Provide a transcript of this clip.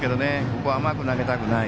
ここは甘く投げたくない。